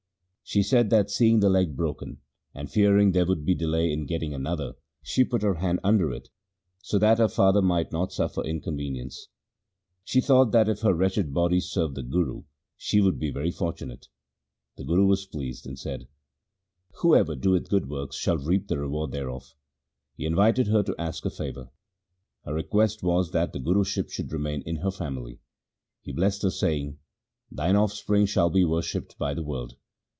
She said that seeing the leg broken, and fearing that there would be delay in getting another, she put her hand under it, so that her father might not suffer inconvenience. She thought that if her wretched body served the Guru, she would be very fortunate. The Guru was pleased and said, ' Whoever doeth good works shall reap the reward thereof.' He invited her to ask a favour. Her request was that the Guruship should remain in her family. He blessed her say ing, ' Thine offspring shall be worshipped by the world.